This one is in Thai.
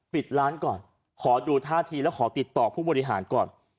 ปิดร้านก่อนขอดูท่าทีแล้วขอติดต่อผู้บริหารก่อน